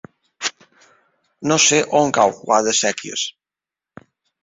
No sé on cau Guadasséquies.